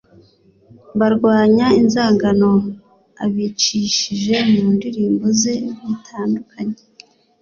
barwanya inzangano abicishije mu ndirimbo ze zitandukanye